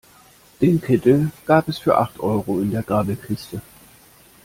Den Kittel gab es für acht Euro in der Grabbelkiste.